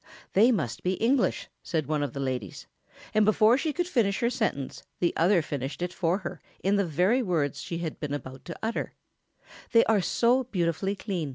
] "They must be English," said one of the ladies; and before she could finish her sentence the other finished it for her in the very words she had been about to utter: "They are so beautifully clean!"